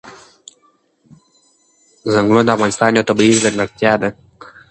چنګلونه د افغانستان یوه طبیعي ځانګړتیا ده.